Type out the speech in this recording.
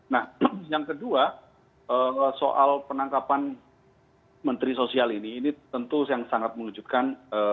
nah yang kedua soal penangkapan menteri sosial ini ini tentu yang sangat mengejutkan